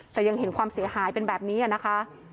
แต่ยังเห็นความเสียหายเป็นแบบนี้นะคะ